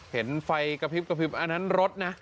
เห็นไฟกระพริบอันนั้นรถนะ